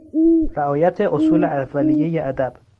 رعایت اصول اولیهی ادب